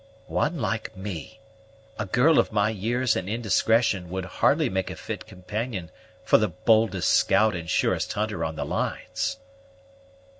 "One like me! A girl of my years and indiscretion would hardly make a fit companion for the boldest scout and surest hunter on the lines."